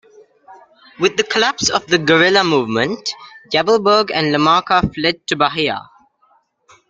With the collapse of the guerrilla movement, Yavelberg and Lamarca fled to Bahia.